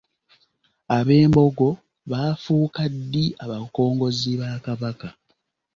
Ab’embogo baafuuka ddi abakongozzi ba Kabaka?